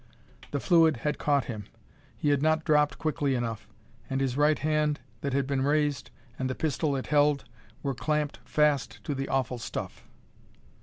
The fluid had caught him; he had not dropped quickly enough. And his right hand that had been raised, and the pistol it held, were clamped fast to the awful stuff.